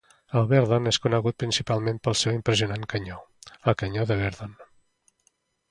El Verdon és conegut principalment pel seu impressionant canyó; el canyó de Verdon.